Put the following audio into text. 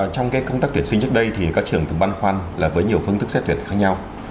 trong công tác tuyển sinh trước đây thì các trường từng băn khoăn là với nhiều phương thức xét tuyển khác nhau